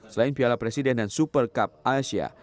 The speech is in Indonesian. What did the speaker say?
selain piala presiden dan super cup asia